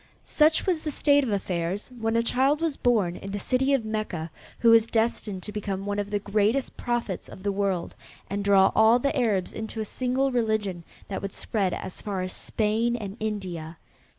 Such was the state of affairs when a child was born in the city of Mecca who was destined to become one of the greatest prophets of the world, and draw all the Arabs into a single religion that would spread as far as Spain and India.